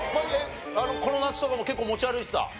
この夏とかも結構持ち歩いてた？